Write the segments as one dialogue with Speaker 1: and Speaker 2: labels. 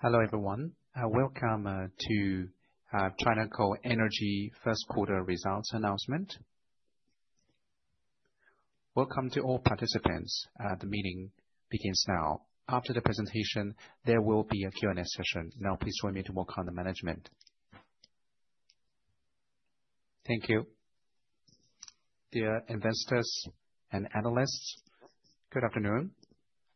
Speaker 1: Hello, everyone. Welcome to China Coal Energy first quarter results announcement. Welcome to all participants. The meeting begins now. After the presentation, there will be a Q&A session. Now please join me to welcome the management.
Speaker 2: Thank you. Dear investors and analysts, good afternoon.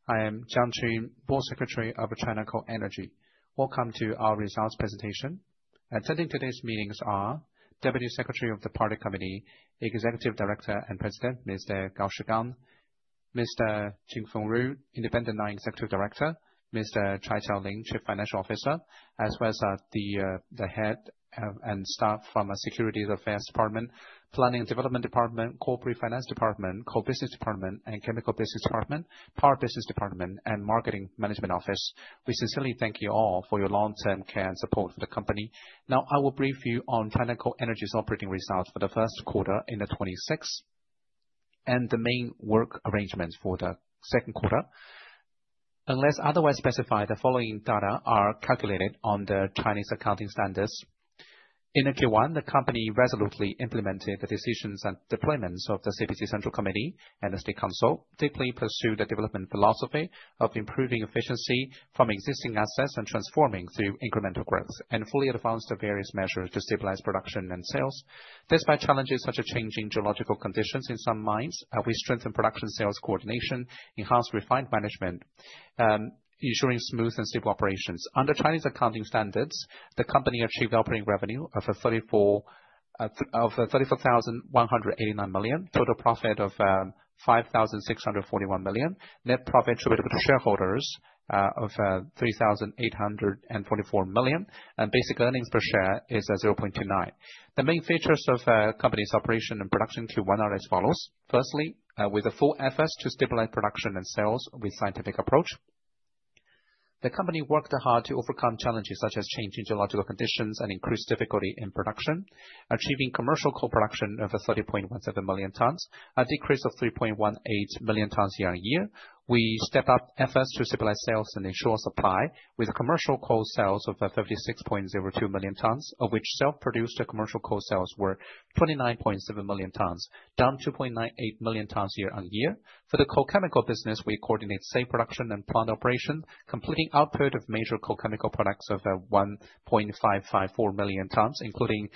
Speaker 2: I am Jiang Qun, Board Secretary of China Coal Energy. Welcome to our results presentation. Attending today's meetings are Deputy Secretary of the Party Committee, Executive Director and President, Mr. Gao Shigang. Mr. Jing Fengru, Independent Non-Executive Director, Mr. Chai Qiaolin, Chief Financial Officer, as well as the head and staff from Security Affairs Department, Planning and Development Department, Corporate Finance Department, Coal Business Department, and Chemical Business Department, Power Business Department, and Marketing Management Office. We sincerely thank you all for your long-term care and support for the company. Now I will brief you on China Coal Energy's operating results for the first quarter in 2026, and the main work arrangements for the second quarter. Unless otherwise specified, the following data are calculated on the Chinese accounting standards. In the Q1, the company resolutely implemented the decisions and deployments of the CPC Central Committee and the State Council, deeply pursue the development philosophy of improving efficiency from existing assets and transforming through incremental growth, and fully advance the various measures to stabilize production and sales. Despite challenges such as changing geological conditions in some mines, we strengthen production sales coordination, enhance refined management, ensuring smooth and stable operations. Under Chinese accounting standards, the company achieved operating revenue of 34,189 million, total profit of 5,641 million. Net profit attributable to shareholders of 3,844 million and dasic earnings per share is at 0.29. The main features of company's operation and production in Q1 are as follows. Firstly, with the full efforts to stabilize production and sales with scientific approach, the company worked hard to overcome challenges such as changing geological conditions and increased difficulty in production. Achieving commercial coal production of 30.17 million tons, a decrease of 3.18 million tons year-on-year. We step up efforts to stabilize sales and ensure supply with commercial coal sales of 36.02 million tons, of which self-produced commercial coal sales were 29.7 million tons, down 2.98 million tons year-on-year. For the coal chemical business, we coordinate safe production and plant operation, completing output of major coal chemical products of 1.554 million tons, including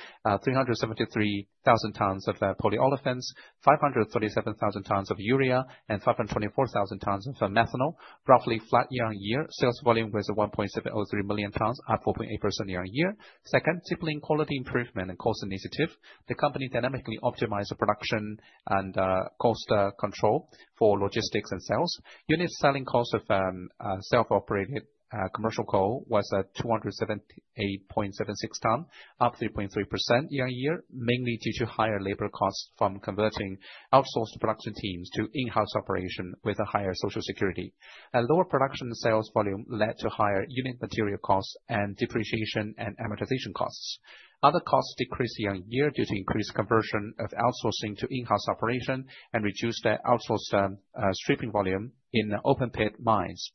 Speaker 2: 373,000 tons of polyolefins, 537,000 tons of urea, and 524,000 tons of methanol, roughly flat year-on-year. Sales volume was 1.703 million tons, up 4.8% year-on-year. Second, strengthening quality improvement and cost initiative. The company dynamically optimized the production and cost control for logistics and sales. Unit selling cost of self-operated commercial coal was at 278.76 a ton, up 3.3% year-on-year. Mainly due to higher labor costs from converting outsourced production teams to in-house operation with a higher social security. A lower production sales volume led to higher unit material costs and depreciation and amortization costs. Other costs decreased year-on-year due to increased conversion of outsourcing to in-house operation and reduced outsourced stripping volume in open-pit mines.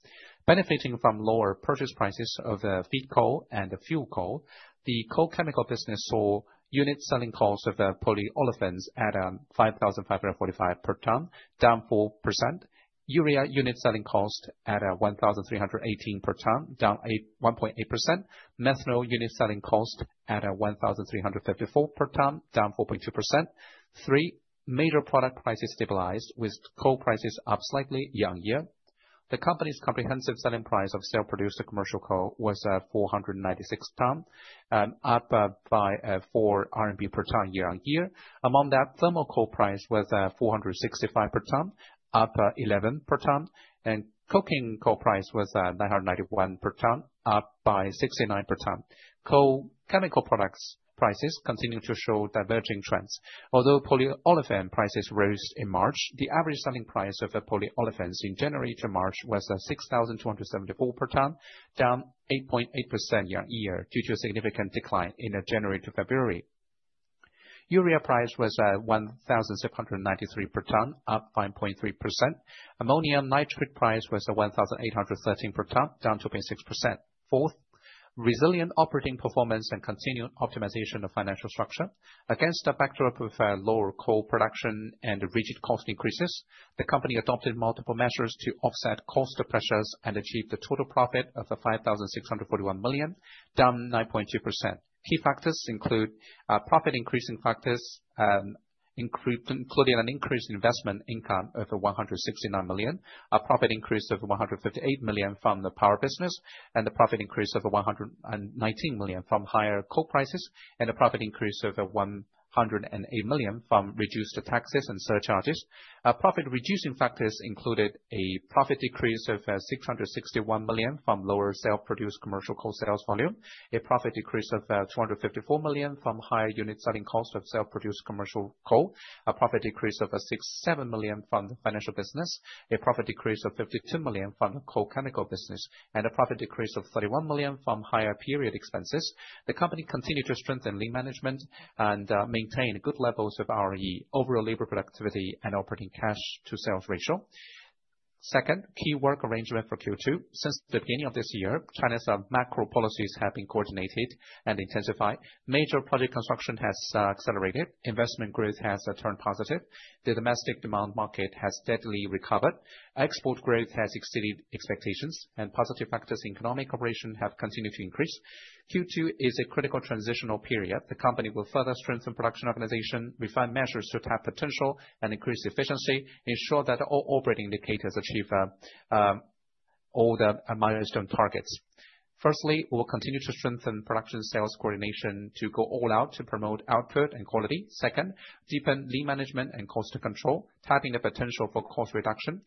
Speaker 2: Benefiting from lower purchase prices of feed coal and the fuel coal, the coal chemical business saw unit selling costs of polyolefins at 5,545 per ton, down 4%. Urea unit selling cost at 1,318 per ton, down 1.8%. Methanol unit selling cost at 1,354 per ton, down 4.2%. The major product prices stabilized with coal prices up slightly year-on-year. The company's comprehensive selling price of self-produced commercial coal was at 496 per ton, up by 4 RMB per ton year-on-year. Among that, thermal coal price was at 465 per ton, up 11 RMB per ton, and coking coal price was at 991 per ton, up by 69 RMB per ton. Coal chemical products prices continued to show diverging trends. Although polyolefin prices rose in March, the average selling price of the polyolefins in January to March was at 6,274 per ton, down 8.8% year-on-year due to a significant decline in January to February. Urea price was at 1,693 per ton, up 5.3%. Ammonia and nitric acid price was at 1,813 per ton, down 2.6%. Fourth, resilient operating performance and continued optimization of financial structure. Against the backdrop of lower coal production and rigid cost increases, the company adopted multiple measures to offset cost pressures and achieve the total profit of 5,641 million, down 9.2%. Key factors include profit increasing factors, including an increase in investment income over 169 million. A profit increase over 158 million from the power business, and a profit increase over 119 million from higher coal prices, and a profit increase over 108 million from reduced taxes and surcharges. Profit-reducing factors included a profit decrease of 661 million from lower self-produced commercial coal sales volume. A profit decrease of 254 million from higher unit selling cost of self-produced commercial coal. A profit decrease of 67 million from the financial business. A profit decrease of 52 million from coal chemical business, and a profit decrease of 31 million from higher period expenses. The company continued to strengthen lean management and maintain good levels of our overall labor productivity and operating cash to sales ratio. Second, key work arrangement for Q2. Since the beginning of this year, China's macro policies have been coordinated and intensified. Major project construction has accelerated. Investment growth has turned positive. The domestic demand market has steadily recovered. Export growth has exceeded expectations, and positive factors in economic operation have continued to increase. Q2 is a critical transitional period. The company will further strengthen production organization, refine measures to tap potential and increase efficiency, ensure that all operating indicators achieve all the milestone targets. Firstly, we'll continue to strengthen production sales coordination to go all out to promote output and quality. Second, deepen lean management and cost control, tapping the potential for cost reduction.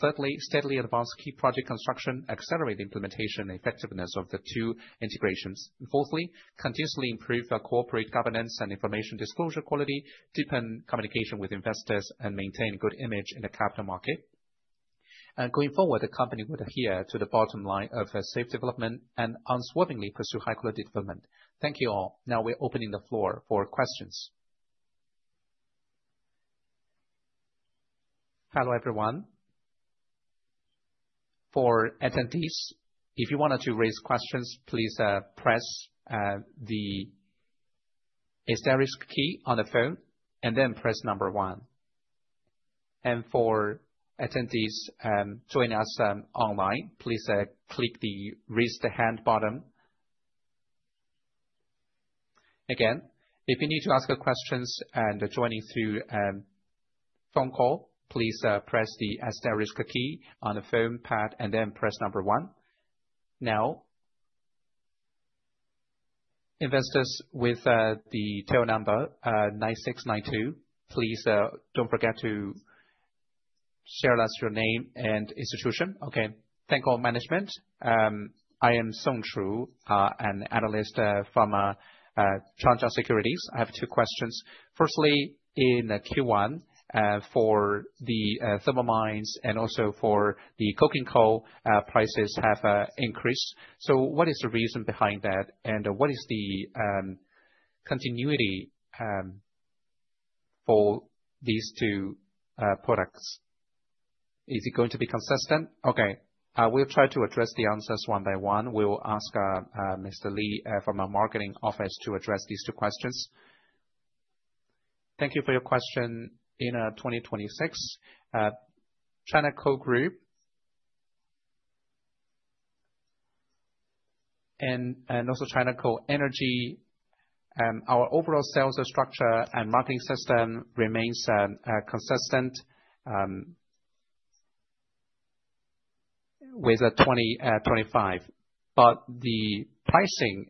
Speaker 2: Thirdly, steadily advance key project construction, accelerate the implementation effectiveness of the Two Integrations. Fourthly, continuously improve our corporate governance and information disclosure quality, deepen communication with investors, and maintain good image in the capital market. Going forward, the company will adhere to the bottom line of safe development and unswervingly pursue high-quality development. Thank you, all. Now we're opening the floor for questions.
Speaker 1: Hello everyone. For attendees joining us online, please click the rise the hand button. Again, if you need to ask your questions and you're joining through phone call, please press the asterisk key on the phone pad and then press number one. Now, investors with the tail number nine, six, nine, two, please don't forget to share us your name and institution.
Speaker 3: Okay. Thank you all management. I am Song Chu, an analyst from Changjiang Securities. I have two questions. Firstly, in Q1, for the thermal mines and also for the coking coal, prices have increased. So what is the reason behind that? And what is the continuity for these two products? Is it going to be consistent?
Speaker 2: Okay. We'll try to address the answers one by one. We'll ask [Mr. Li] from our marketing office to address these two questions.
Speaker 4: Thank you for your question. In 2026, China Coal Group and also China Coal Energy, our overall sales structure and marketing system remains consistent with 2025, but the pricing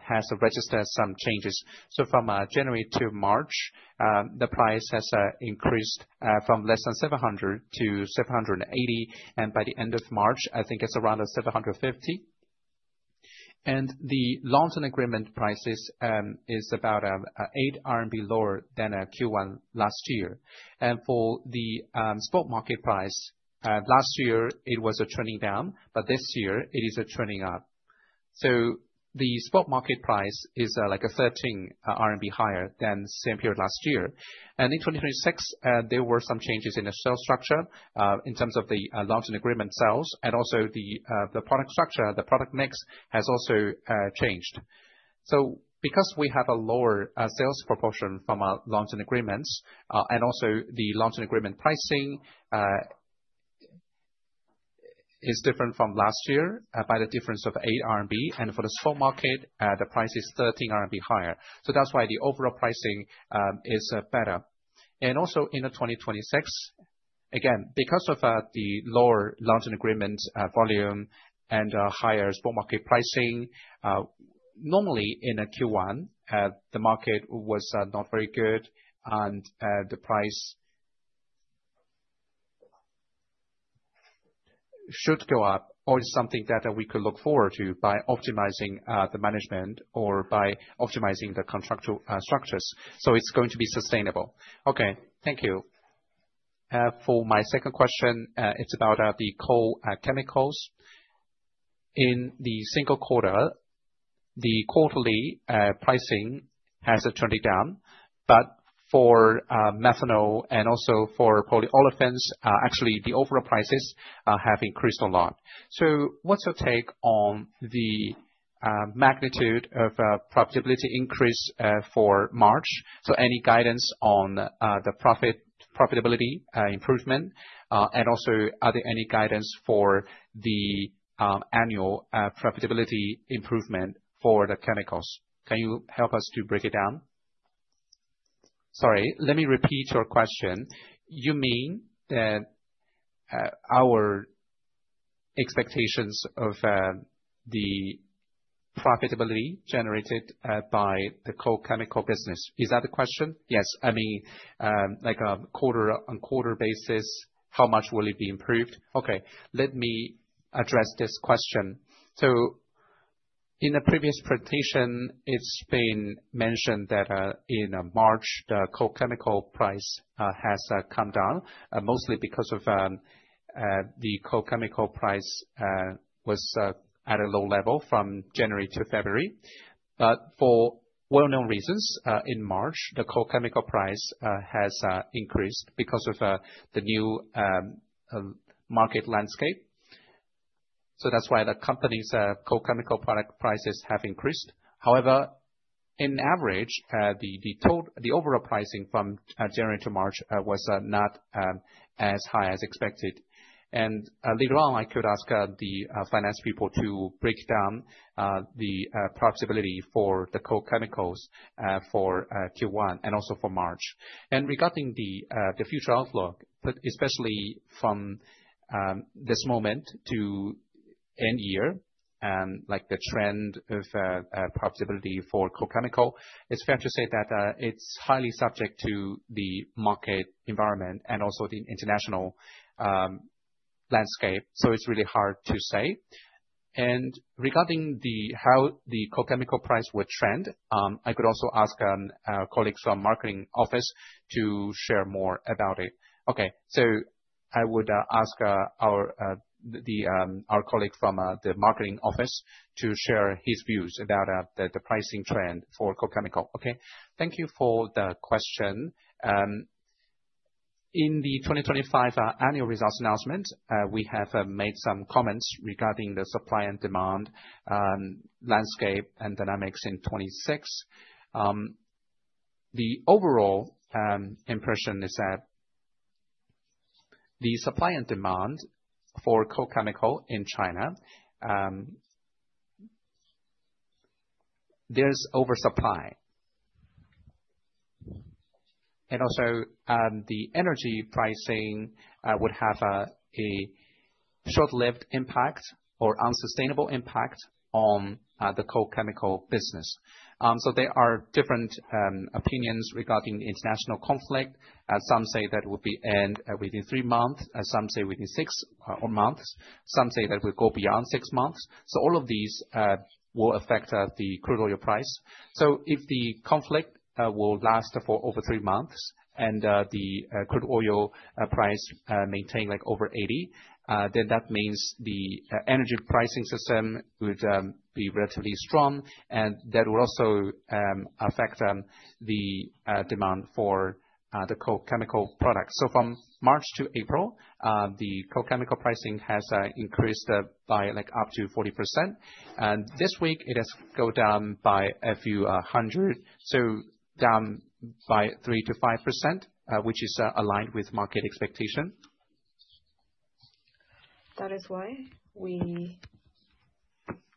Speaker 4: has registered some changes. From January to March, the price has increased from less than 700 to 780. By the end of March, I think it's around 750. The long-term agreement prices is about 8 RMB lower than Q1 last year. For the spot market price, last year, it was turning down, but this year it is turning up. The spot market price is like 13 RMB higher than same period last year. In 2026, there were some changes in the sales structure, in terms of the long-term agreement sales and also the product structure, the product mix has also changed. Because we have a lower sales proportion from our long-term agreements, and also the long-term agreement pricing is different from last year, by the difference of 8 RMB. For the spot market, the price is 13 RMB higher. That's why the overall pricing is better. In 2026, again, because of the lower long-term agreement volume and higher spot market pricing, normally in a Q1 the market was not very good and the price should go up or is something that we could look forward to by optimizing the management or by optimizing the contractual structures. It's going to be sustainable.
Speaker 3: Okay, thank you. For my second question, it's about the coal chemicals. In the single quarter, the quarterly pricing has turned it down. For methanol and also for polyolefins, actually the overall prices have increased a lot. What's your take on the magnitude of profitability increase for March? Any guidance on the profit, profitability improvement? Are there any guidance for the annual profitability improvement for the chemicals? Can you help us to break it down?
Speaker 2: Sorry, let me repeat your question. You mean that our expectations of the profitability generated by the coal chemical business? Is that the question?
Speaker 3: Yes. I mean, like a quarter-on-quarter basis, how much will it be improved?
Speaker 2: Okay. Let me address this question. In a previous presentation, it's been mentioned that in March, the coal chemical price has come down mostly because the coal chemical price was at a low level from January to February. But for well-known reasons, in March, the coal chemical price has increased because of the new market landscape. That's why the company's coal chemical product prices have increased.
Speaker 4: However, on average, the overall pricing from January to March was not as high as expected. Later on, I could ask the finance people to break down the profitability for the coal chemicals for Q1 and also for March. Regarding the future outlook, but especially from this moment to end year, like the trend of profitability for coal chemical, it's fair to say that it's highly subject to the market environment and also the international landscape, so it's really hard to say. Regarding how the coal chemical price will trend, I could also ask colleagues from marketing office to share more about it. Okay. I would ask our colleague from the marketing office to share his views about the pricing trend for coal chemical. Okay? Thank you for the question. In the 2025 annual results announcement, we have made some comments regarding the supply and demand landscape and dynamics in 2026. The overall impression is that the supply and demand for coal chemical in China, there's oversupply. The energy pricing would have a short-lived impact or unsustainable impact on the coal chemical business. There are different opinions regarding international conflict. Some say that it would end within three months and some say within six months. Some say that it will go beyond six months, so all of these will affect the crude oil price. If the conflict will last for over three months and the crude oil price maintains like over 80, then that means the energy pricing system would be relatively strong and that will also affect the demand for the coal chemical products. From March to April, the coal chemical pricing has increased by like up to 40%. This week it has gone down by a few 100. Down by 3%-5%, which is aligned with market expectation.
Speaker 5: That is why we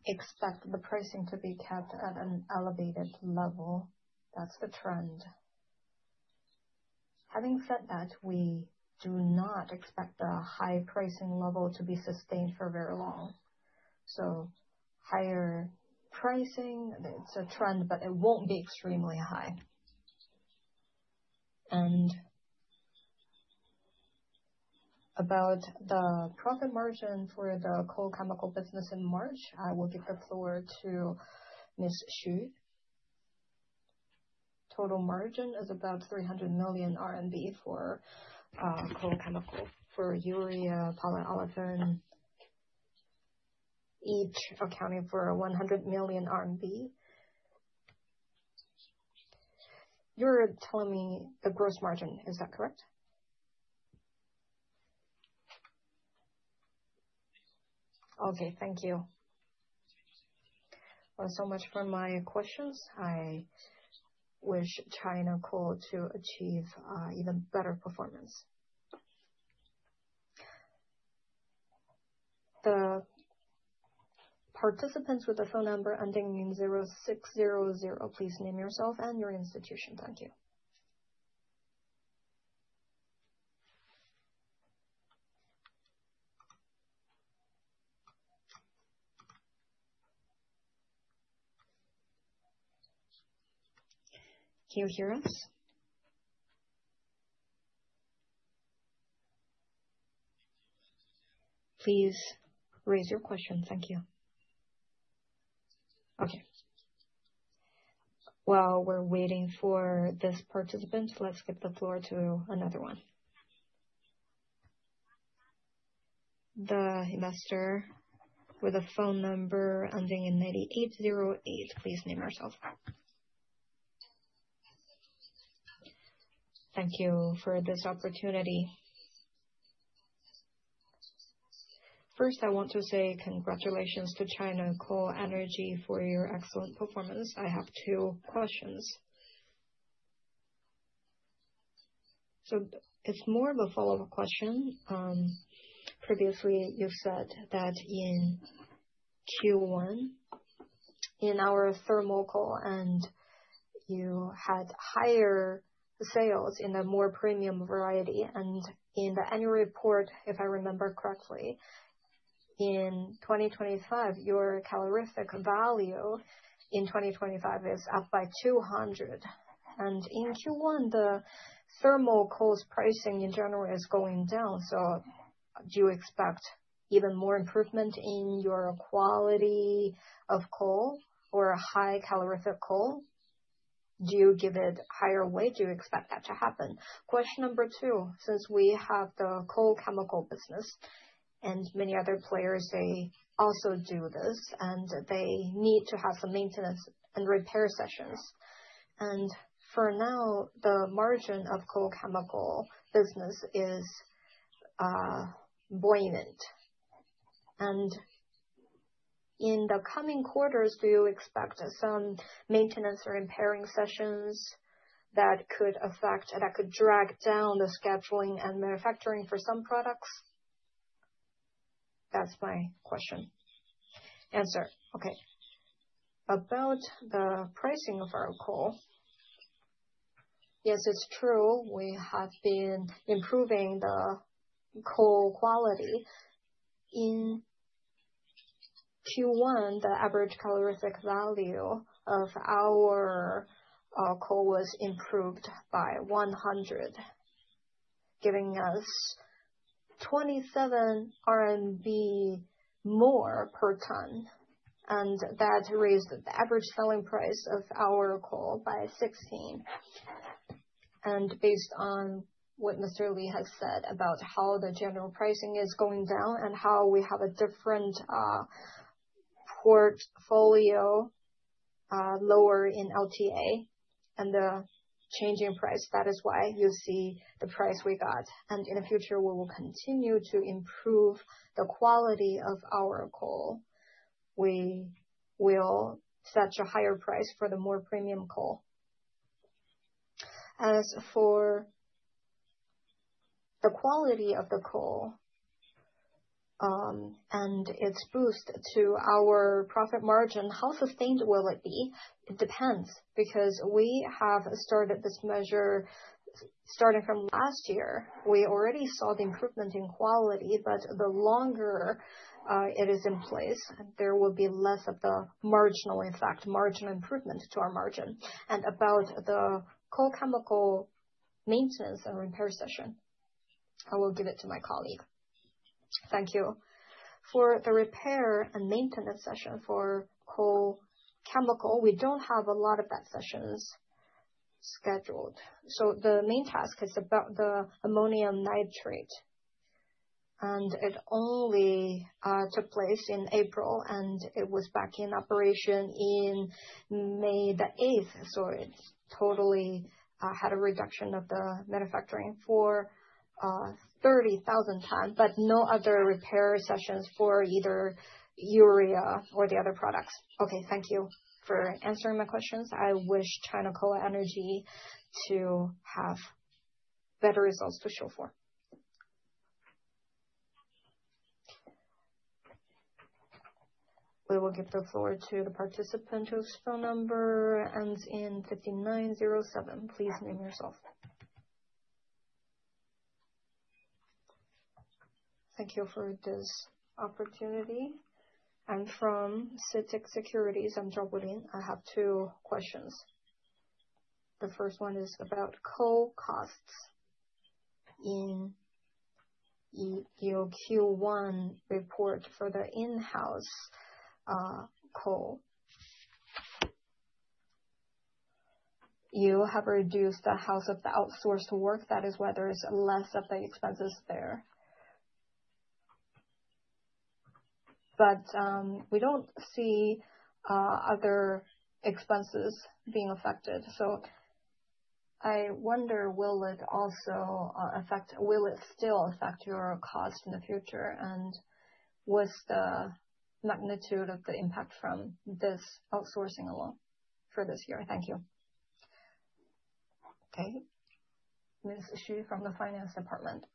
Speaker 5: expect the pricing to be kept at an elevated level. That's the trend. Having said that, we do not expect the high pricing level to be sustained for very long. Higher pricing, it's a trend, but it won't be extremely high. About the profit margin for the coal chemical business in March, I will give the floor to Ms. Xu.
Speaker 6: Total margin is about 300 million RMB for coal chemical. For urea, polyolefin, each accounting for RMB 100 million. You're telling me the gross margin, is that correct?
Speaker 3: Okay, thank you. Well, so much for my questions. I wish China Coal to achieve even better performance.
Speaker 1: The participants with a phone number ending in zero, six, zero, zero, please name yourself and your institution. Thank you. Can you hear us? Please raise your question. Thank you. Okay. While we're waiting for this participant, let's give the floor to another one. The investor with a phone number ending in eight eight zero eight, please name yourself.
Speaker 7: Thank you for this opportunity. First, I want to say congratulations to China Coal Energy for your excellent performance. I have two questions. It's more of a follow-up question. Previously you said that in Q1, in our thermal coal and you had higher sales in a more premium variety. In the annual report, if I remember correctly, in 2025, your calorific value in 2025 is up by 200. In Q1, the thermal coal's pricing in general is going down. Do you expect even more improvement in your quality of coal for a high calorific coal? Do you give it higher weight? Do you expect that to happen? Question number two. Since we have the coal chemical business and many other players, they also do this, and they need to have some maintenance and repair sessions. For now, the margin of coal chemical business is buoyant. In the coming quarters, do you expect some maintenance or repairing sessions that could affect that could drag down the scheduling and manufacturing for some products? That's my question. Okay.
Speaker 5: About the pricing of our coal, yes, it's true, we have been improving the coal quality. In Q1, the average calorific value of our coal was improved by 100, giving us 27 RMB more per ton, and that raised the average selling price of our coal by 16. Based on what [Mr. Li] has said about how the general pricing is going down and how we have a different portfolio, lower in LTA and the changing price, that is why you see the price we got. In the future, we will continue to improve the quality of our coal. We will set a higher price for the more premium coal.
Speaker 7: As for the quality of the coal and its boost to our profit margin, how sustained will it be?
Speaker 5: It depends, because we have started this measure starting from last year. We already saw the improvement in quality, but the longer it is in place, there will be less of the marginal impact, marginal improvement to our margin. About the coal chemical maintenance and repair session, I will give it to my colleague.
Speaker 6: Thank you. For the repair and maintenance session for coal chemical, we don't have a lot of that sessions scheduled. The main task is about the ammonium nitrate, and it only took place in April, and it was back in operation in 8 May. It's totally had a reduction of the manufacturing for 30,000 tons, but no other repair sessions for either urea or the other products.
Speaker 7: Okay. Thank you for answering my questions. I wish China Coal Energy to have better results to show for.
Speaker 1: We will give the floor to the participant whose phone number ends in 5907. Please name yourself.
Speaker 8: Thank you for this opportunity. I'm from CITIC Securities. I'm Zhao Bolin. I have two questions. The first one is about coal costs. In your Q1 report for the in-house coal you have reduced the use of the outsourced work. That is why there is less of the expenses there. We don't see other expenses being affected, so I wonder, will it also affect? Will it still affect your cost in the future? And what's the magnitude of the impact from this outsourcing alone for this year? Thank you.
Speaker 2: Okay. Ms. Xu from the finance department.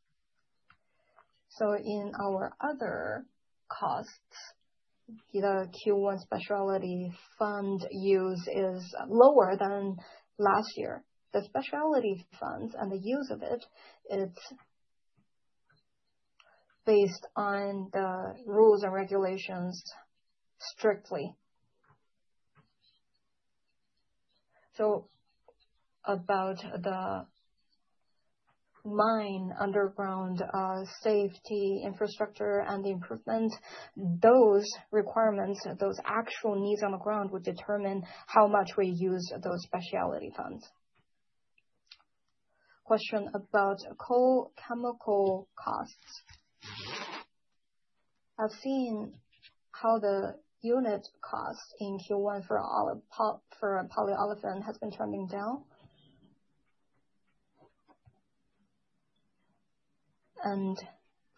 Speaker 6: In our other costs, the Q1 specialty fund use is lower than last year. The specialty funds and the use of it's based on the rules and regulations strictly. About the mine underground safety infrastructure and the improvement, those requirements, those actual needs on the ground will determine how much we use those specialty funds.
Speaker 8: Question about coal chemical costs. I've seen how the unit cost in Q1 for polyolefin has been trending down.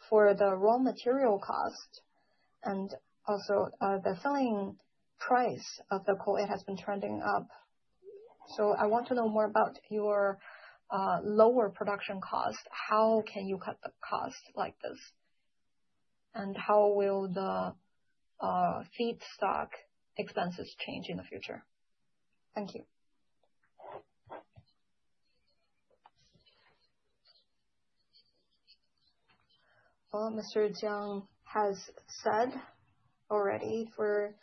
Speaker 8: For the raw material cost and also the selling price of the coal, it has been trending up. I want to know more about your lower production cost. How can you cut the cost like this? How will the feedstock expenses change in the future? Thank you.
Speaker 5: Well, Mr. Jiang has said already for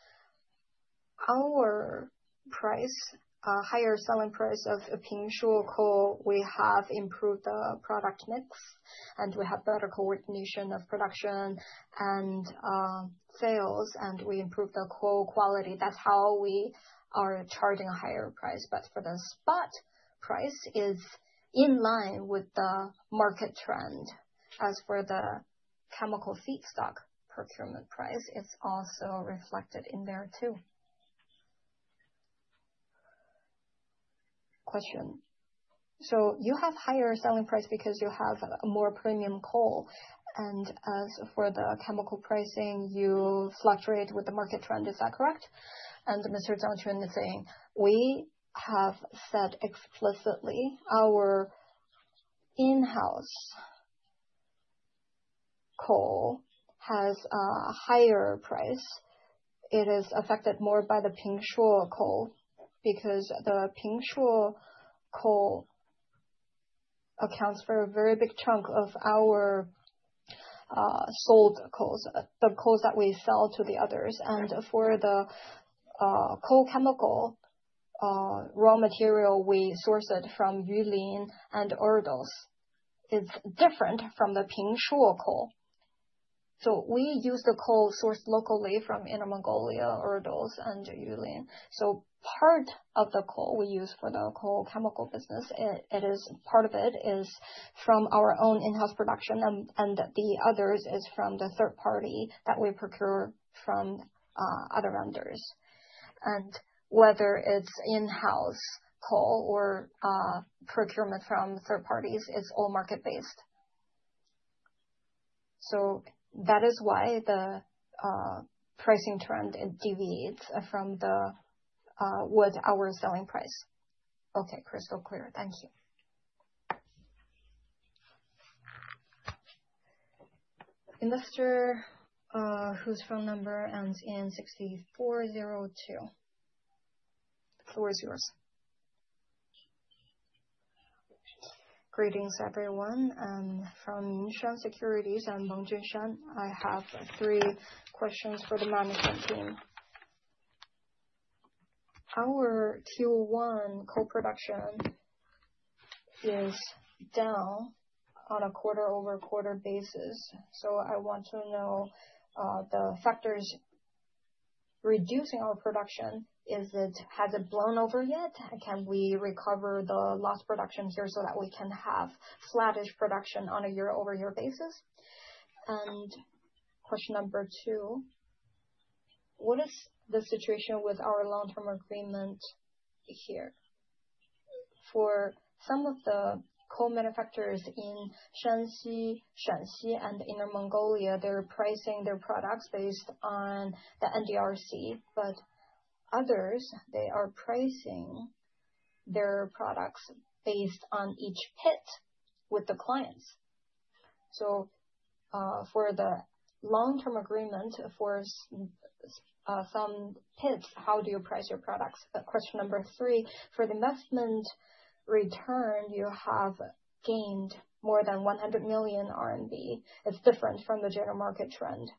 Speaker 5: our price, higher selling price of Pingshuo Coal, we have improved the product mix, and we have better coordination of production and sales, and we improved the coal quality. That's how we are charging a higher price. But for the spot price is in line with the market trend. As for the chemical feedstock procurement price, it's also reflected in there too.
Speaker 8: Question You have higher selling price because you have a more premium coal. As for the chemical pricing, you fluctuate with the market trend, is that correct?
Speaker 9: Mr. Jiang Qun is saying we have said explicitly our in-house coal has a higher price. It is affected more by the Pingshuo Coal, because the Pingshuo Coal accounts for a very big chunk of our sold coals, the coals that we sell to the others. For the coal chemical raw material, we source it from Yulin and Ordos. It's different from the Pingshuo Coal. We use the coal sourced locally from Inner Mongolia, Ordos and Yulin. Part of the coal we use for the coal chemical business, it is... Part of it is from our own in-house production, and the others is from the third party that we procure from, other vendors. Whether it's in-house coal or, procurement from third parties, it's all market-based. That is why the pricing trend it deviates from the with our selling price. Okay. Crystal clear. Thank you.
Speaker 1: Investor, whose phone number ends in 6402. The floor is yours.
Speaker 10: Greetings, everyone. I'm from Xinshan Securities. I'm Wang Junshan. I have three questions for the management team. Our Q1 coal production is down on a quarter-over-quarter basis, so I want to know the factors reducing our production. Has it blown over yet? Can we recover the lost production here so that we can have flattish production on a year-over-year basis? Question number two: What is the situation with our long-term agreement here? For some of the coal manufacturers in Shanxi and Inner Mongolia, they're pricing their products based on the NDRC, but others, they are pricing their products based on each pit with the clients. So, for the long-term agreement, for some pits, how do you price your products? Question number three: for the investment return, you have gained more than 100 million RMB. It's different from the general market trend.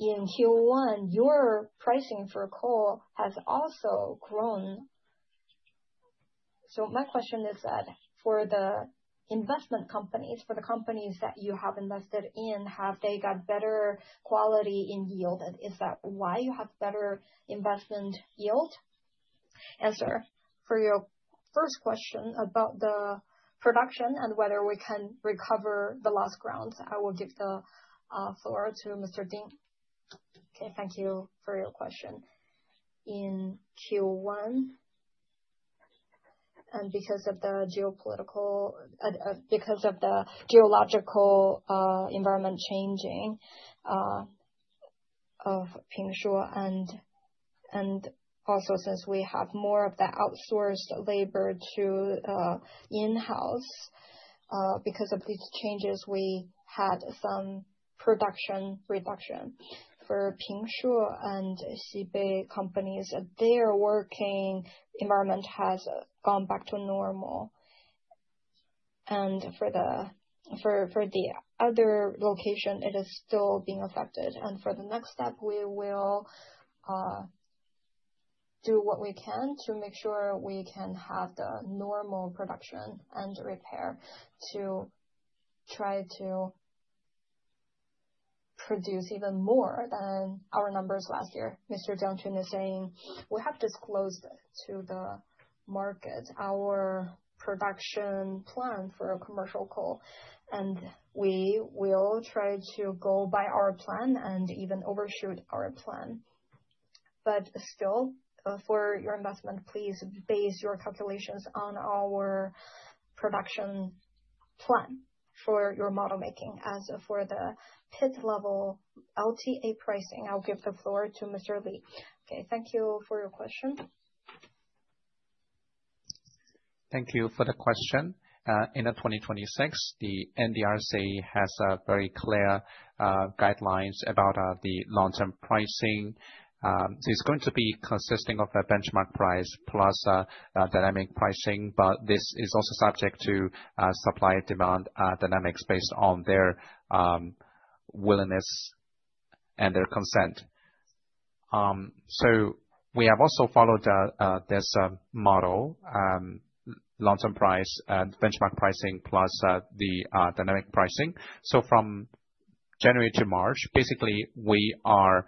Speaker 10: In Q1, your pricing for coal has also grown. So my question is that for the investment companies, for the companies that you have invested in, have they got better quality in yield? And is that why you have better investment yield?
Speaker 2: An answer. For your first question about the production and whether we can recover the lost ground, I will give the floor to Mr. Jing.
Speaker 5: Okay. Thank you for your question. In Q1, because of the geological environment changing of Pingshuo, and also since we have more of the outsourced labor to in-house because of these changes, we had some production reduction. For Pingshuo and Xibei companies, their working environment has gone back to normal. For the other location, it is still being affected. For the next step, we will do what we can to make sure we can have the normal production and repair to try to produce even more than our numbers last year.
Speaker 9: Mr. Jiang Qun is saying we have disclosed to the market our production plan for commercial coal, and we will try to go by our plan and even overshoot our plan. But still, for your investment, please base your calculations on our production plan for your model making. As for the pit level LTA pricing, I'll give the floor to [Mr. Li]. Okay. Thank you for your question.
Speaker 4: Thank you for the question. In 2026, the NDRC has a very clear guidelines about the long-term pricing. It's going to be consisting of a benchmark price plus dynamic pricing. This is also subject to supply-demand dynamics based on their willingness and their consent. We have also followed this model, long-term price benchmark pricing plus the dynamic pricing. From January to March, basically, we are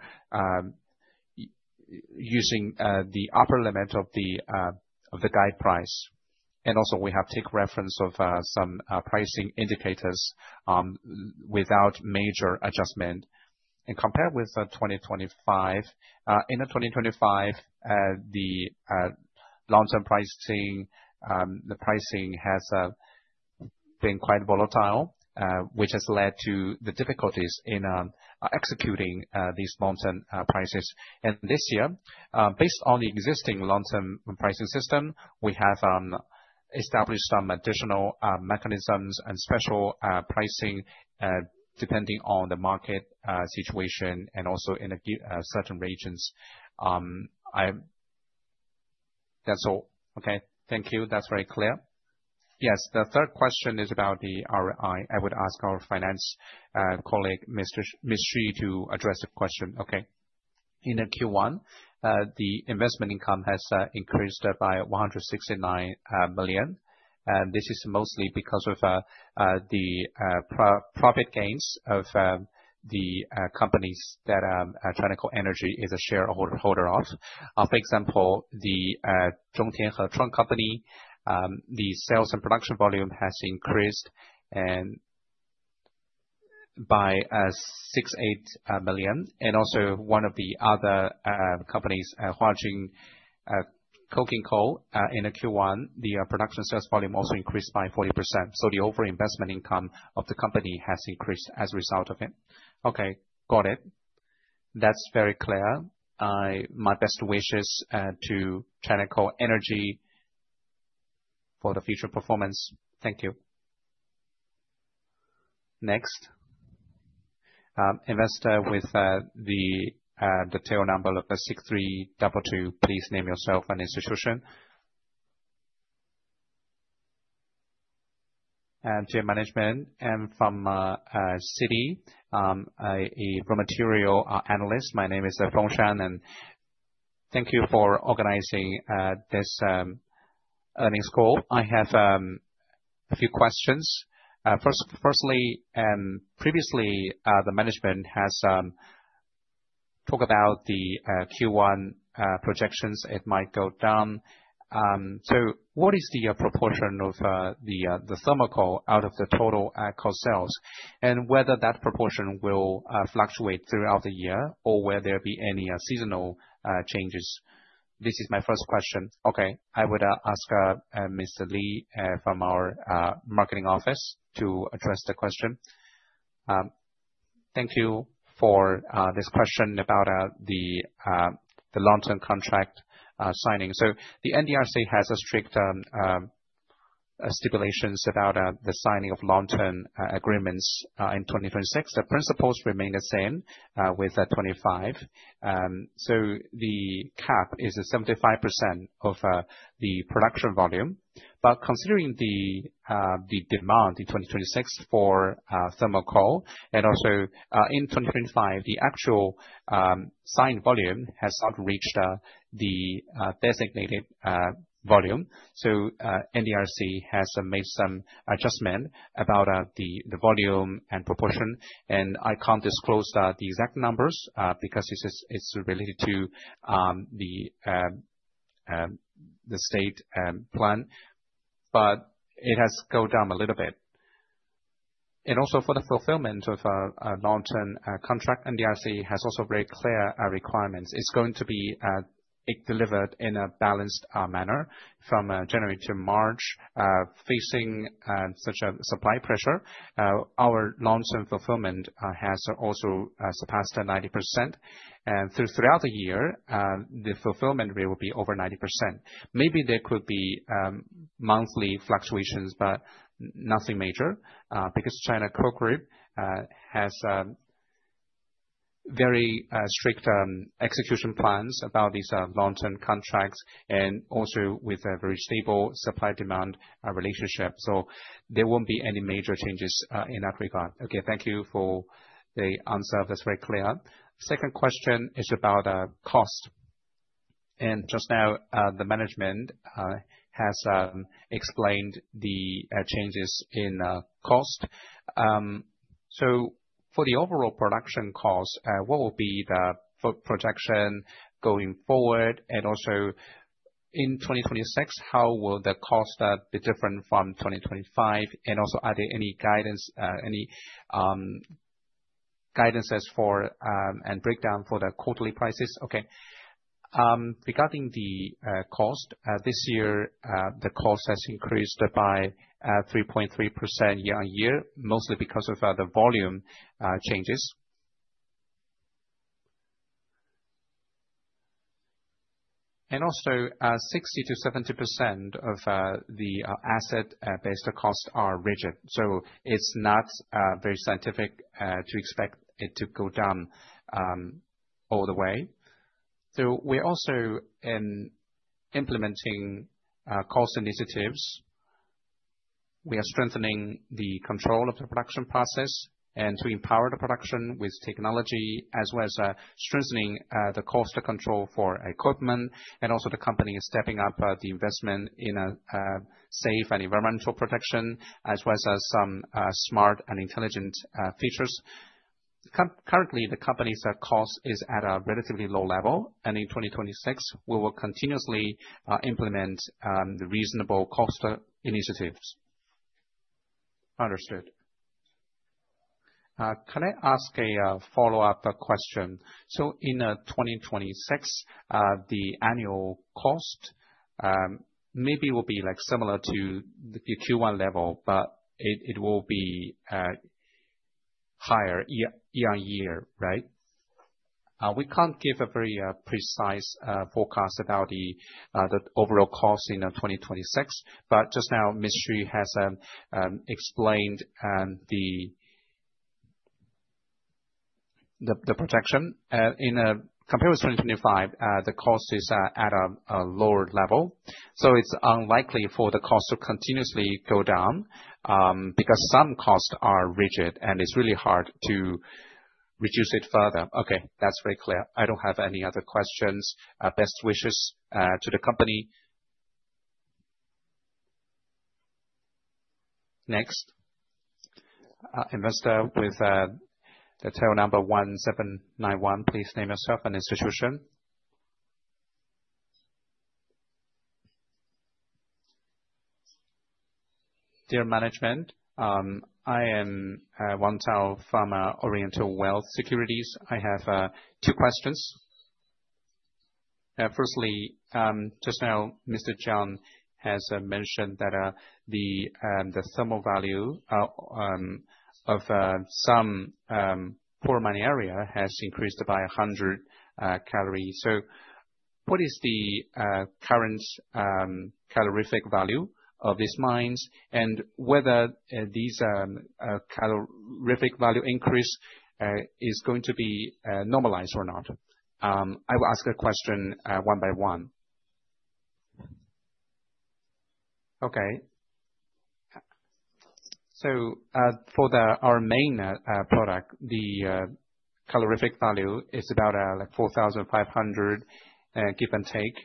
Speaker 4: using the upper limit of the guide price. Also we have taken reference of some pricing indicators without major adjustment. Compared with 2025, in 2025, the long-term pricing has been quite volatile, which has led to the difficulties in executing these long-term prices. This year, based on the existing long-term pricing system, we have established some additional mechanisms and special pricing depending on the market situation and also in a few certain regions. That's all. Okay.
Speaker 10: Thank you. That's very clear.
Speaker 2: Yes. The third question is about the ROI. I would ask our finance colleague, Ms. Shi to address the question.
Speaker 4: Okay. In the Q1, the investment income has increased by 169 million. This is mostly because of the profit gains of the companies that China Coal Energy is a shareholder of. For example, the Zhongke Hechong company, the sales and production volume has increased by 68 million. Also one of the other companies, Huajin Coking Coal, in the Q1, the production sales volume also increased by 40%. The overall investment income of the company has increased as a result of it.
Speaker 10: Okay. Got it. That's very clear. My best wishes to China Coal Energy for the future performance. Thank you.
Speaker 1: Next, investor with the tail number of six three two two, please name yourself and institution.
Speaker 11: To your management, I'm from Citi, a Raw Material Analyst. My name is [Fong Shan], and thank you for organizing this earnings call. I have a few questions. First, previously, the management has talked about the Q1 projections, it might go down. So what is the proportion of the thermal coal out of the total coal sales? And whether that proportion will fluctuate throughout the year or will there be any seasonal changes? This is my first question.
Speaker 2: Okay. I would ask [Mr. Li] from our marketing office to address the question.
Speaker 4: Thank you for this question about the long-term contract signing. So the NDRC has strict stipulations about the signing of long-term agreements in 2026. The principles remain the same with 2025. The cap is at 75% of the production volume. Considering the demand in 2026 for thermal coal and also in 2025, the actual signed volume has not reached the designated volume. NDRC has made some adjustment about the volume and proportion. I can't disclose the exact numbers because it's related to the state plan, but it has gone down a little bit. For the fulfillment of a long-term contract, NDRC has also very clear requirements. It's going to be delivered in a balanced manner from January to March, facing such a supply pressure. Our long-term fulfillment has also surpassed 90%. Throughout the year, the fulfillment rate will be over 90%. Maybe there could be monthly fluctuations, but nothing major. Because China National Coal Group has very strict execution plans about these long-term contracts and also with a very stable supply-demand relationship. There won't be any major changes in that regard
Speaker 11: Okay. Thank you for the answer. That's very clear. Second question is about cost. Just now the management has explained the changes in cost. For the overall production cost, what will be the projection going forward? Also in 2026, how will the cost be different from 2025? Are there any guidance and breakdown for the quarterly prices?
Speaker 4: Okay. Regarding the cost this year, the cost has increased by 3.3% year-on-year, mostly because of the volume changes. 60%-70% of the asset-based costs are rigid so it's not very scientific to expect it to go down all the way. We're also implementing cost initiatives. We are strengthening the control of the production process and to empower the production with technology, as well as strengthening the cost control for equipment. The company is stepping up the investment in safety and environmental protection, as well as some smart and intelligent features. Currently, the company's cost is at a relatively low level, and in 2026, we will continuously implement the reasonable cost initiatives.
Speaker 11: Understood. Can I ask a follow-up question? So in 2026, the annual cost maybe will be like similar to the Q1 level, but it will be higher year-on-year, right?
Speaker 4: We can't give a very precise forecast about the overall cost in 2026. But just now, Ms. Shi has explained the projection. Compared with 2025, the cost is at a lower level. It's unlikely for the cost to continuously go down, because some costs are rigid, and it's really hard to reduce it further.
Speaker 11: Okay. That's very clear. I don't have any other questions. Best wishes to the company.
Speaker 1: Next.
Speaker 12: Dear management, I am Wang Tao from Oriental Wealth Securities. I have two questions. Firstly, just now, Mr. Zhang has mentioned that the thermal value of some poor mining area has increased by 100 calories. What is the current calorific value of these mines, and whether these calorific value increase is going to be normalized or not? I will ask a question one by one.
Speaker 4: Okay. For our main product, the calorific value is about, like 4,500, give and take.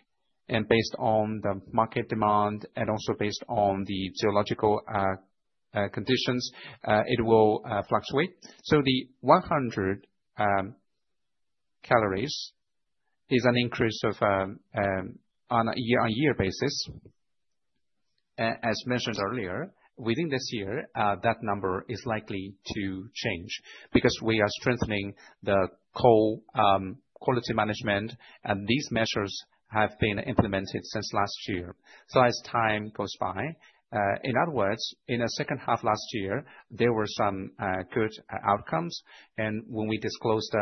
Speaker 4: Based on the market demand and also based on the geological conditions, it will fluctuate. The 100 calories is an increase on a year-on-year basis. As mentioned earlier, within this year, that number is likely to change because we are strengthening the coal quality management, and these measures have been implemented since last year. As time goes by, in other words, in the second half last year, there were some good outcomes. When we disclosed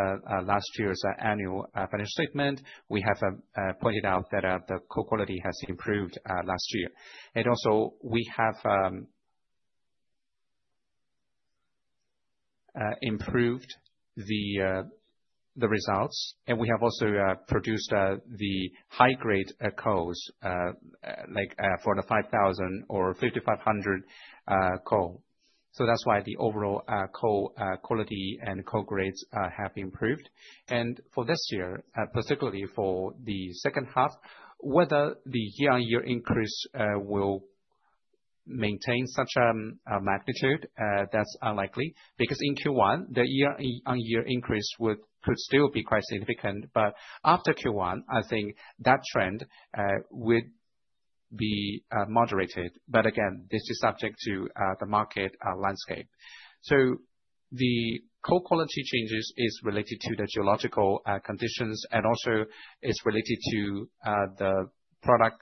Speaker 4: last year's annual financial statement, we have pointed out that the coal quality has improved last year. We have improved the results, and we have also produced the high grade coals like for the 5,000 or 5,500 coal. That's why the overall coal quality and coal grades have improved. For this year, particularly for the second half, whether the year-on-year increase will maintain such a magnitude, that's unlikely. Because in Q1, the year-on-year increase could still be quite significant, but after Q1, I think that trend would be moderated. Again, this is subject to the market landscape. The coal quality changes is related to the geological conditions and also is related to the product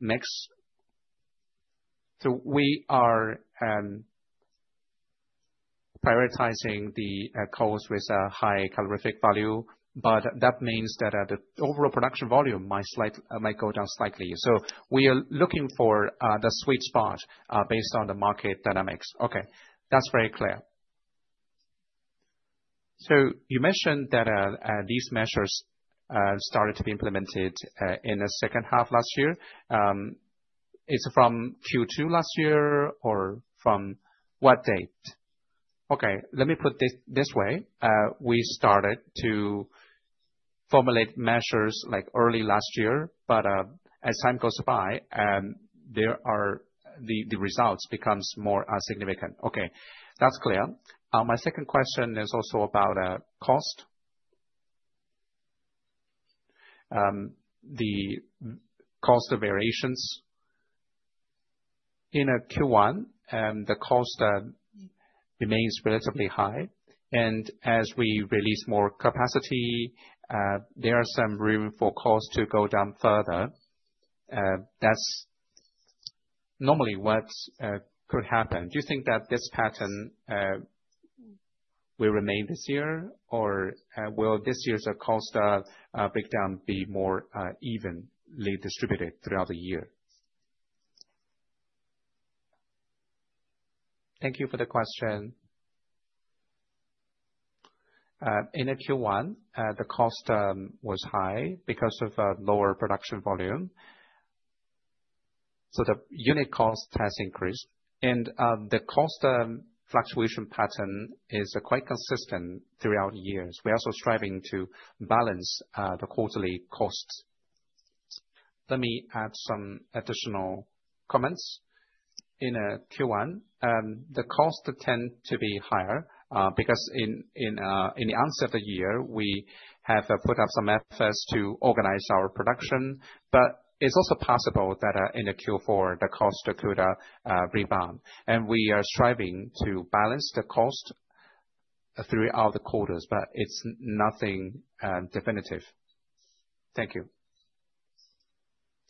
Speaker 4: mix. We are prioritizing the coals with a high calorific value. That means that the overall production volume might go down slightly. We are looking for the sweet spot based on the market dynamics.
Speaker 12: Okay. That's very clear. You mentioned that these measures started to be implemented in the second half last year. Is it from Q2 last year, or from what date?
Speaker 4: Okay. Let me put this way. We started to formulate measures like early last year, but as time goes by, there are the results becomes more significant.
Speaker 12: Okay, that's clear. My second question is also about cost. The cost variations in Q1, the cost remains relatively high. As we release more capacity, there are some room for cost to go down further. That's normally what could happen. Do you think that this pattern will remain this year or, will this year's cost breakdown be more evenly distributed throughout the year?
Speaker 2: Thank you for the question. In the Q1, the cost was high because of lower production volume. So the unit cost has increased. The cost fluctuation pattern is quite consistent throughout the years. We are also striving to balance the quarterly costs.
Speaker 9: Let me add some additional comments. In Q1, the costs tend to be higher, because in the onset of the year, we have put up some efforts to organize our production. It's also possible that in the Q4, the costs could rebound. We are striving to balance the cost throughout the quarters, but it's nothing definitive. Thank you.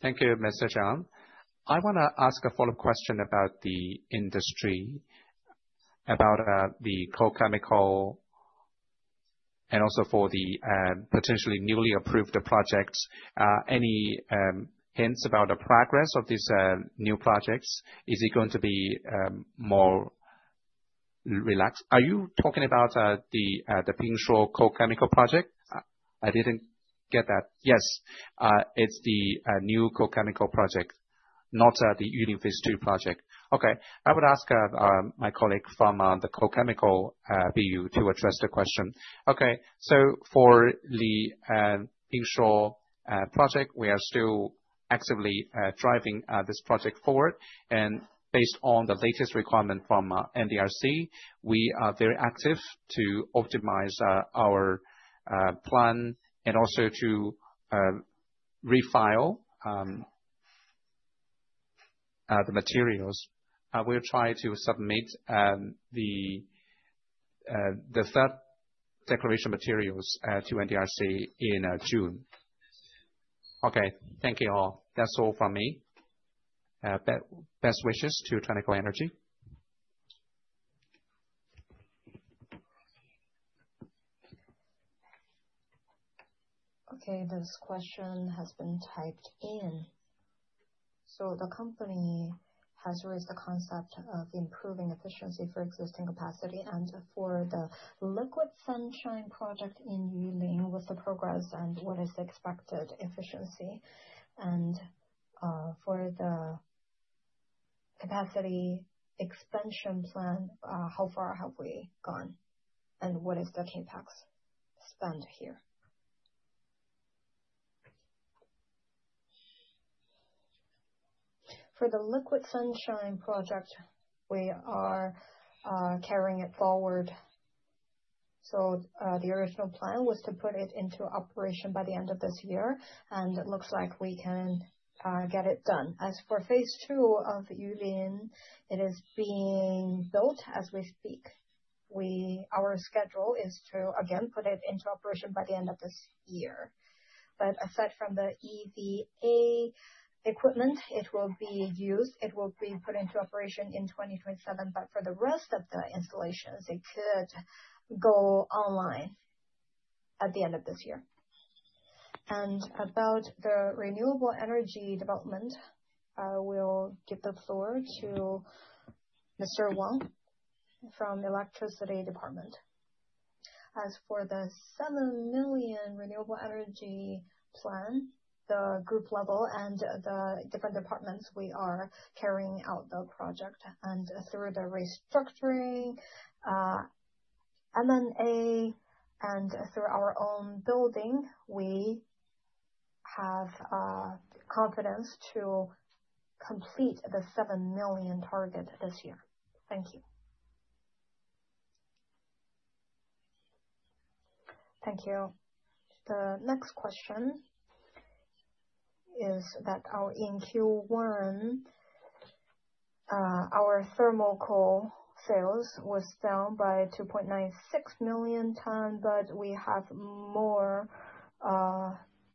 Speaker 12: Thank you, Zhang. I wanna ask a follow-up question about the industry, about the coal chemical and also for the potentially newly approved projects. Any hints about the progress of these new projects? Is it going to be more relaxed? Are you talking about the Pingshuo coal chemical project? I didn't get that.
Speaker 9: Yes. It's the new coal chemical project, not the Yulin Phase II project. Okay. I would ask my colleague from the coal chemical division to address the question.
Speaker 4: Okay. For the Pingshuo project, we are still actively driving this project forward. Based on the latest requirement from NDRC, we are very active to optimize our plan and also to refile the materials. We're trying to submit the third declaration materials to NDRC in June.
Speaker 12: Okay. Thank you all. That's all from me. Best wishes to China Coal Energy.
Speaker 2: Okay, this question has been typed in. The company has raised the concept of improving efficiency for existing capacity and for the Liquid Sunshine project in Yulin. What's the progress and what is the expected efficiency? For the capacity expansion plan, how far have we gone, and what is the CapEx spend here?
Speaker 4: For the Liquid Sunshine project, we are carrying it forward. The original plan was to put it into operation by the end of this year, and it looks like we can get it done. As for Phase II of Yulin, it is being built as we speak. Our schedule is to again put it into operation by the end of this year. But aside from the EVA equipment, it will be used. It will be put into operation in 2027. But for the rest of the installations, they could go online at the end of this year. About the renewable energy development, I will give the floor to Wang from the electricity department.
Speaker 13: As for the 7 million renewable energy plan, the group level and the different departments, we are carrying out the project. Through the restructuring, M&A, and through our own building, we have confidence to complete the 7 million target this year. Thank you.
Speaker 2: Thank you. The next question is that in Q1 our thermal coal sales was down by 2.96 million tons, but we have more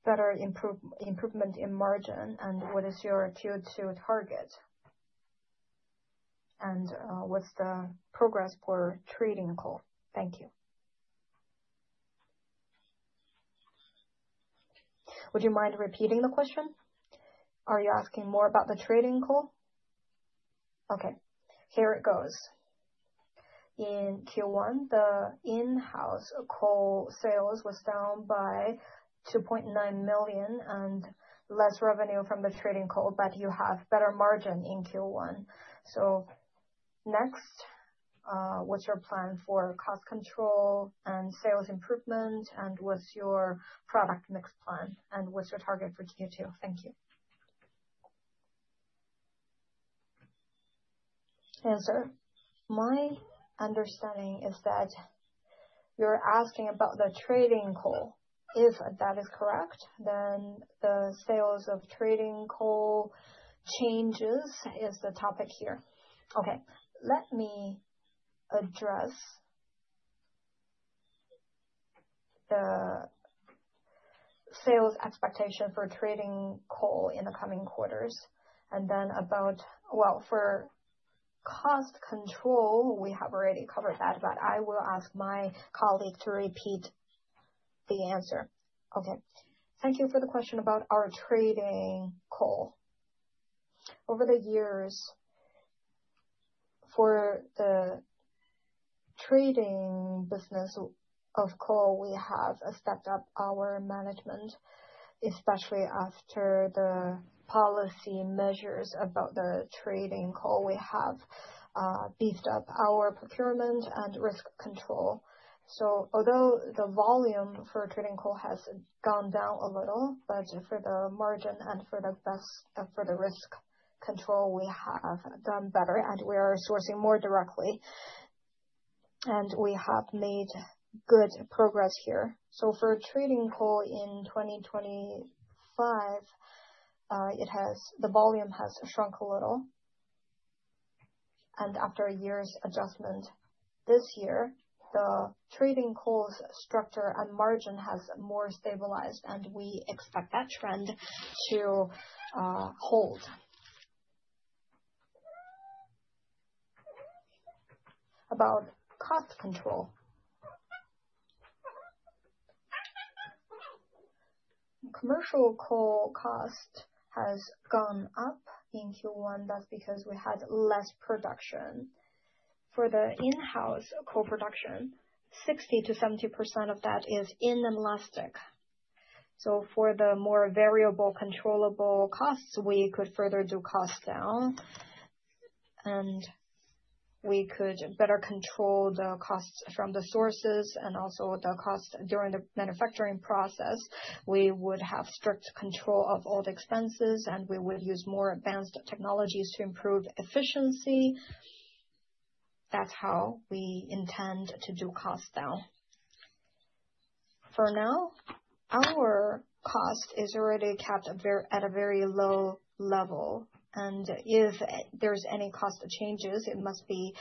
Speaker 2: better improvement in margin. What is your Q2 target? What's the progress for trading coal? Thank you.
Speaker 13: Would you mind repeating the question? Are you asking more about the trading coal?
Speaker 2: Okay, here it goes. In Q1, the in-house coal sales was down by 2.9 million and less revenue from the trading coal. You have better margin in Q1. Next, what's your plan for cost control and sales improvement? And what's your product mix plan? And what's your target for Q2? Thank you.
Speaker 13: Answer. My understanding is that you're asking about the trading coal. If that is correct, then the sales of trading coal changes is the topic here. Okay. Let me address the sales expectation for trading coal in the coming quarters. Well, for cost control, we have already covered that, but I will ask my colleague to repeat the answer.
Speaker 6: Okay. Thank you for the question about our trading coal. Over the years, for the trading business of coal, we have stepped up our management, especially after the policy measures about the trading coal. We have beefed up our procurement and risk control. Although the volume for trading coal has gone down a little, but for the margin and for the business, for the risk control, we have done better and we are sourcing more directly. We have made good progress here. For trading coal in 2025, the volume has shrunk a little. After a year's adjustment this year, the trading coal's structure and margin has more stabilized and we expect that trend to hold. About cost control. Commercial coal cost has gone up in Q1. That's because we had less production. For the in-house coal production, 60%-70% of that is inelastic. For the more variable controllable costs, we could further do cost down, and we could better control the costs from the sources and also the cost during the manufacturing process. We would have strict control of all the expenses, and we would use more advanced technologies to improve efficiency. That's how we intend to do cost down. For now, our cost is already kept at a very low level, and if there's any cost changes, it must be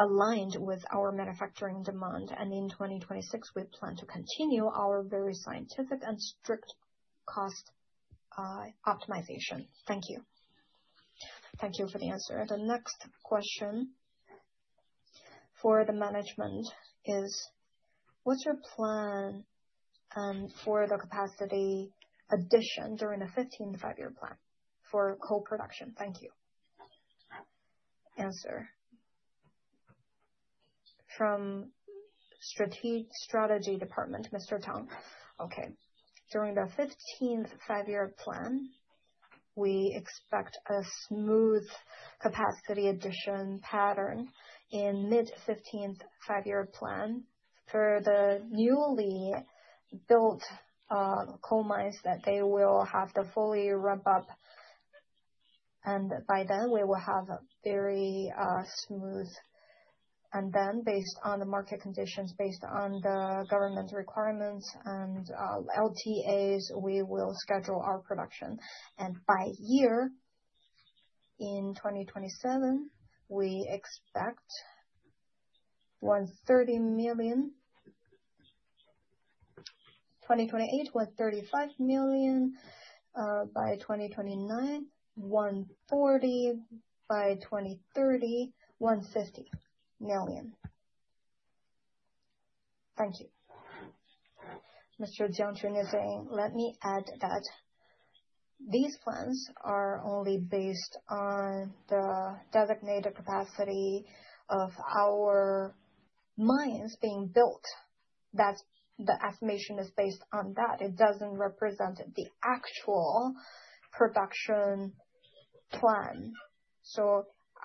Speaker 6: aligned with our manufacturing demand. In 2026, we plan to continue our very scientific and strict cost optimization. Thank you.
Speaker 2: Thank you for the answer. The next question for the management is, what's your plan for the capacity addition during the 15th Five-Year Plan for coal production? Thank you. Answer. From strategy department, Mr. Zhang.
Speaker 9: Okay. During the 15th Five-Year Plan, we expect a smooth capacity addition pattern in mid-15th Five-Year Plan. For the newly built coal mines that they will have to fully ramp up, and by then we will have a very smooth. Based on the market conditions, based on the government requirements and LTAs, we will schedule our production. By 2027, we expect 130 million. 2028, 135 million. By 2029, 140 million. By 2030, 150 million. Thank you.
Speaker 2: Mr. Jiang Qun is saying, let me add that these plans are only based on the designated capacity of our mines being built. The estimation is based on that. It doesn't represent the actual production plan.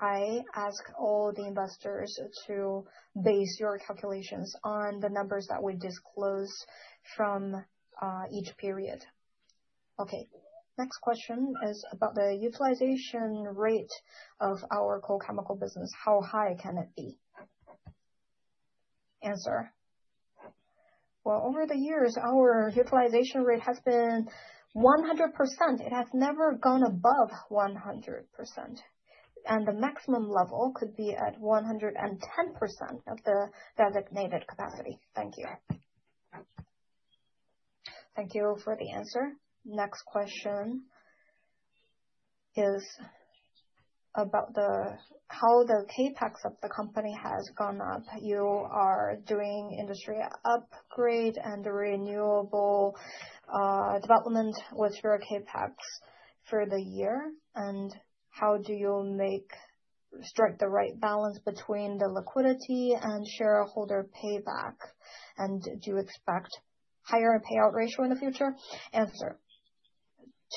Speaker 2: I ask all the investors to base your calculations on the numbers that we disclose from each period. Okay. Next question is about the utilization rate of our coal chemical business. How high can it be? Answer.
Speaker 5: Well, over the years, our utilization rate has been 100%. It has never gone above 100%, and the maximum level could be at 110% of the designated capacity. Thank you.
Speaker 2: Thank you for the answer. Next question is about how the CapEx of the company has gone up. You are doing industry upgrade and renewable development. What's your CapEx for the year and how do you strike the right balance between the liquidity and shareholder payback? And do you expect higher payout ratio in the future? Answer.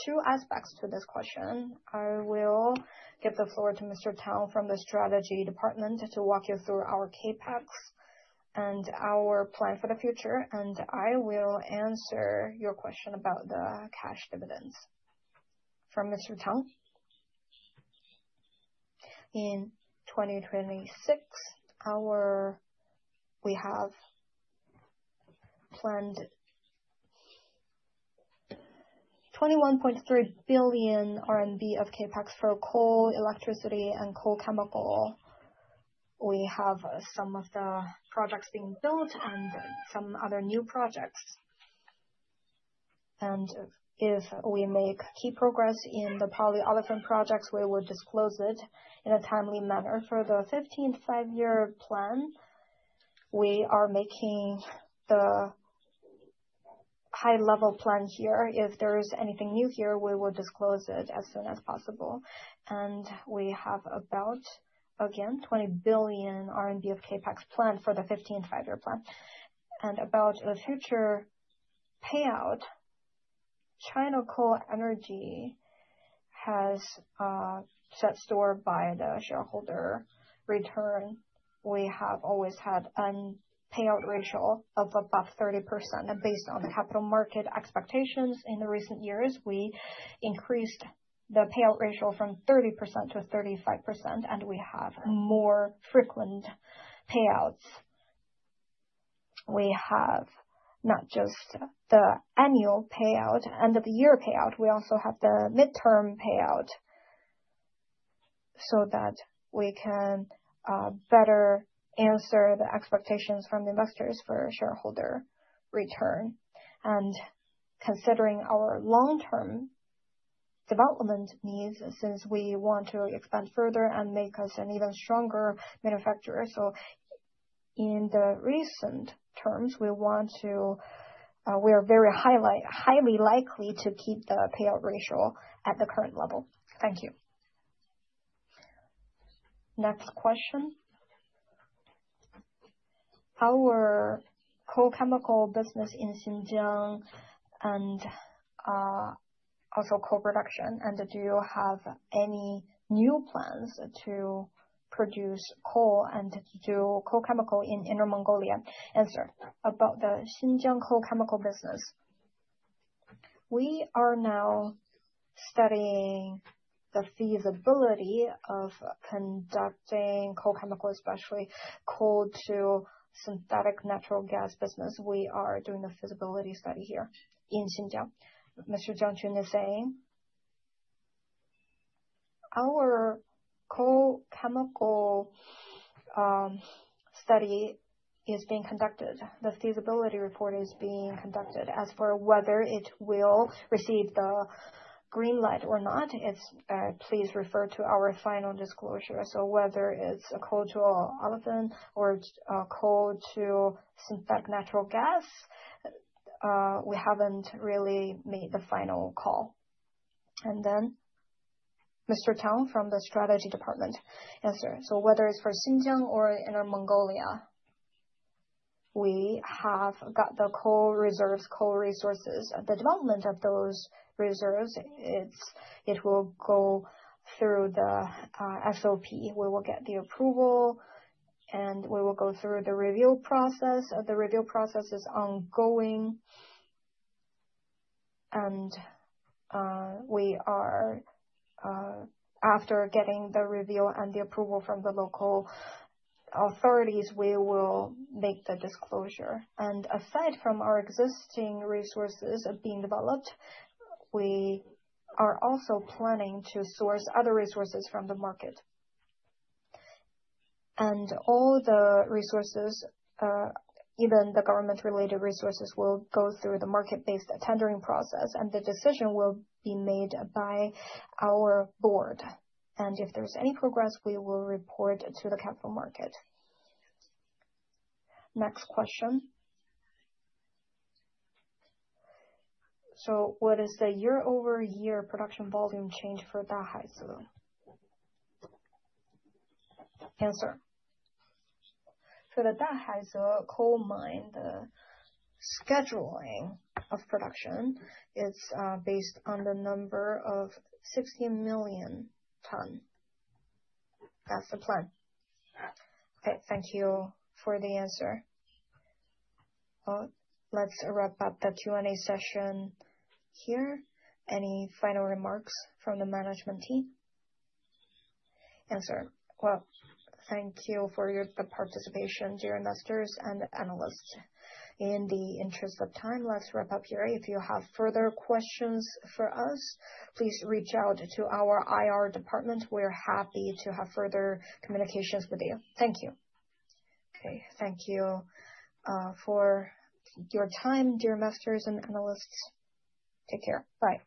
Speaker 5: Two aspects to this question. I will give the floor to Mr. Zhang from the strategy department to walk you through our CapEx and our plan for the future, and I will answer your question about the cash dividends. From Mr. Zhang.
Speaker 9: In 2026, we have planned 21.3 billion RMB of CapEx for coal, electricity and coal chemical. We have some of the projects being built and some other new projects. If we make key progress in the polyolefin projects, we will disclose it in a timely manner. For the 15th Five-Year Plan, we are making the high level plan here. If there is anything new here, we will disclose it as soon as possible. We have about, again, 20 billion RMB of CapEx plan for the 15th Five-Year Plan. About the future payout, China Coal Energy has set store by the shareholder return.
Speaker 5: We have always had a payout ratio of above 30%. Based on the capital market expectations in the recent years, we increased the payout ratio from 30% to 35%, and we have more frequent payouts. We have not just the annual payout, end of the year payout, we also have the interim payout so that we can better answer the expectations from the investors for shareholder return. Considering our long-term development needs, since we want to expand further and make us an even stronger manufacturer. In the recent terms, we are highly likely to keep the payout ratio at the current level. Thank you.
Speaker 2: Next question. Our coal chemical business in Xinjiang and also coal production. Do you have any new plans to produce coal and do coal chemical in Inner Mongolia?
Speaker 9: About the Xinjiang coal chemical business, we are now studying the feasibility of conducting coal chemical, especially coal to synthetic natural gas business. We are doing a feasibility study here in Xinjiang. Mr. Zhang Guoxiu is saying our coal chemical study is being conducted. The feasibility report is being conducted. As for whether it will receive the green light or not, please refer to our final disclosure. Whether it's a coal to olefin or a coal to synthetic natural gas, we haven't really made the final call. Mr. Zhang from the strategy department. Answer. Whether it's for Xinjiang or Inner Mongolia, we have got the coal reserves, coal resources. The development of those reserves will go through the SOP. We will get the approval, and we will go through the review process. The review process is ongoing. We are after getting the review and the approval from the local authorities, we will make the disclosure. Aside from our existing resources being developed, we are also planning to source other resources from the market. All the resources, even the government-related resources, will go through the market-based tendering process, and the decision will be made by our board. If there's any progress, we will report to the capital market.
Speaker 2: Next question. So what is the year-over-year production volume change for Dahaize?
Speaker 9: For the Dahaize coal mine, the scheduling of production is based on the number of 60 million tons. That's the plan.
Speaker 2: Okay, thank you for the answer. Well, let's wrap up the Q&A session here. Any final remarks from the management team?
Speaker 13: Well, thank you for the participation, dear investors and analysts. In the interest of time, let's wrap up here. If you have further questions for us, please reach out to our IR department. We're happy to have further communications with you. Thank you.
Speaker 2: Okay. Thank you for your time, dear investors and analysts. Take care. Bye.